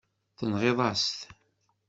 Tenɣiḍ-as-t.